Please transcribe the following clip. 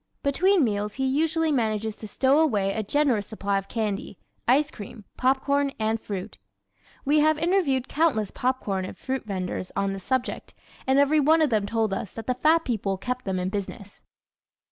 Between meals he usually manages to stow away a generous supply of candy, ice cream, popcorn and fruit. We have interviewed countless popcorn and fruit vendors on this subject and every one of them told us that the fat people kept them in business.